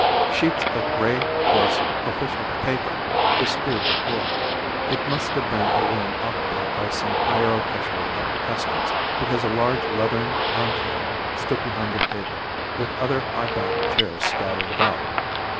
Sheets of grey coarse official paper bestrewed the floor. It must have been a room occupied by some higher official of the Customs, because a large leathern armchair stood behind the table, with other high backed chairs scattered about.